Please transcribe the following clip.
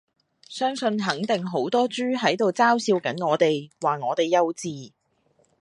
相信肯定好多豬喺度嘲笑緊我哋，話我哋幼稚